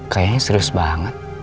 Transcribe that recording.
kayaknya serius banget